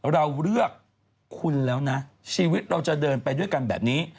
เราเลือกคุณแล้วนะชีวิตเราจะเดินไปด้วยกันแบบนี้